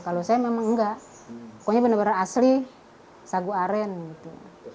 kalau saya memang enggak pokoknya benar benar asli sagu aren gitu